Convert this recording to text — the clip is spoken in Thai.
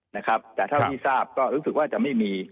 นะครับแต่เท่าที่ทราบก็รู้สึกว่าจะไม่มี